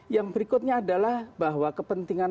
yang berikutnya adalah bahwa kepentingan